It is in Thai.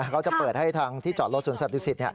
เขาจะเปิดให้ทางที่จอดรถสวนสัตดุสิต